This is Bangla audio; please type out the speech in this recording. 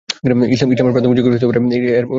ইসলামের প্রাথমিক যুগেও এর অনুমতি ছিল।